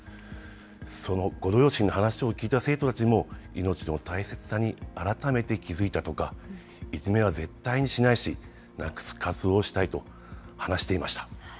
そのご両親の話を聞いた生徒たちも、命の大切さに改めて気付いたとか、いじめは絶対にしないし、なくす活動をしたいと話していました。